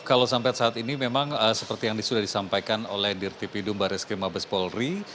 kalau sampai saat ini memang seperti yang sudah disampaikan oleh dirtipidum baris krim mabes polri